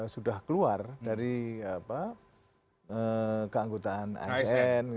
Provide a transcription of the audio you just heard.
sudah keluar dari keanggotaan asn